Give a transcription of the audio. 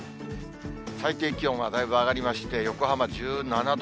最低気温はだいぶ上がりまして、横浜１７度。